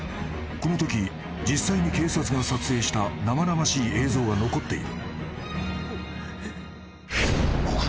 ［このとき実際に警察が撮影した生々しい映像が残っている］